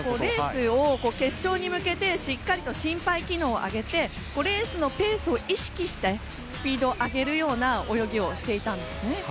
決勝に向けてしっかり心肺機能を上げてレースのペースを意識してスピードを上げる泳ぎをしていたんですね。